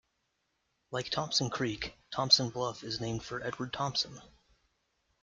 Like Thompson Creek, Thompson Bluff is named for Edward Thompson.